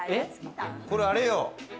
これあれよ。